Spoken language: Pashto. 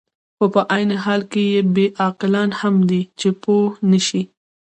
خو په عین حال کې بې عقلان هم دي، چې پوه نه شي.